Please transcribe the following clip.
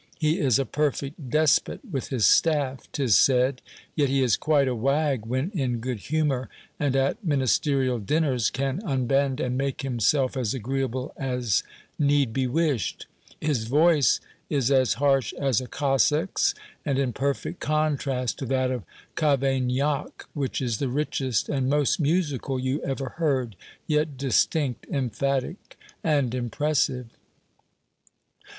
He is a perfect despot with his staff, 'tis said; yet he is quite a wag when in good humor, and, at Ministerial dinners, can unbend and make himself as agreeable as need be wished. His voice is as harsh as a Cossack's, and in perfect contrast to that of Cavaignac, which is the richest and most musical you ever heard, yet distinct, emphatic and impressive."